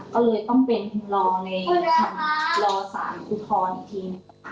ก็เลยต้องไปรอแล้วชามราวศาลอุทธรรมอีกที